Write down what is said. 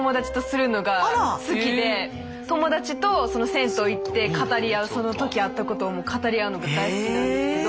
友達と銭湯行って語り合うその時あったことを語り合うのが大好きなんですけど。